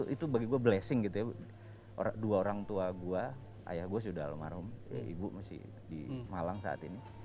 itu bagi gue blessing gitu ya dua orang tua gue ayah gue sudah almarhum ibu masih di malang saat ini